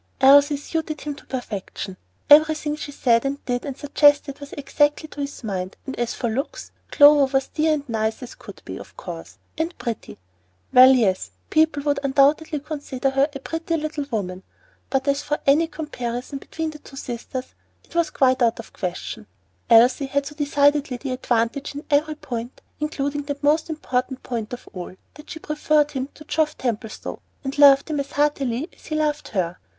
Elsie suited him to perfection. Everything she said and did and suggested was exactly to his mind, and as for looks, Clover was dear and nice as could be, of course, and pretty, well, yes, people would undoubtedly consider her a pretty little woman; but as for any comparison between the two sisters, it was quite out of the question! Elsie had so decidedly the advantage in every point, including that most important point of all, that she preferred him to Geoff Templestowe and loved him as heartily as he loved her.